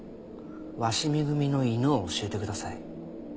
鷲見組の犬を教えてください。